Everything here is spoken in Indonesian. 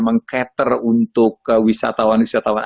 mengcater untuk wisatawan wisatawan